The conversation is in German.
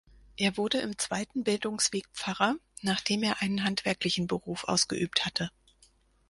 Er wurde im Zweiten Bildungsweg Pfarrer, nachdem er einen handwerklichen Beruf ausgeübt hatte.